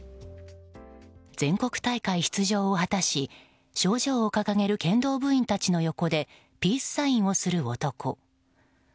全国大会出場を果たし賞状を掲げる剣道部員たちの横でピースサインをする男。